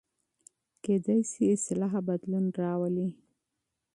کېدای سي اصلاح بدلون راولي.